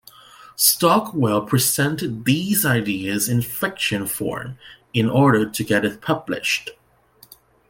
Stockwell presented these ideas in fiction form in order to get it published.